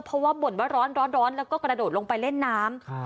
เพราะว่าบ่นว่าร้อนแล้วก็กระโดดลงไปเล่นน้ำ